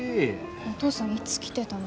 お父さんいつ来てたの？